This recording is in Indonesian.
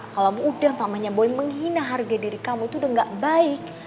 kalau mudah pamanya boy menghina harga diri kamu itu udah gak baik